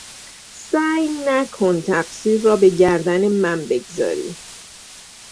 سعی نکن تقصیر را به گردن من بگذاری!